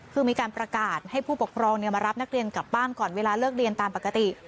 คือมีการประกาศให้ผู้ปกครองมารับนักเรียนกลับบ้านก่อนเวลาเลิกเรียนตามปกติ